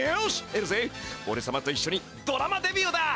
エルゼおれさまといっしょにドラマデビューだ！